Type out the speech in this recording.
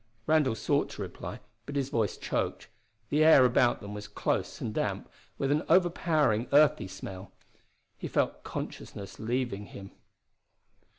Randall sought to reply, but his voice choked. The air about them was close and damp, with an overpowering earthy smell. He felt consciousness leaving him.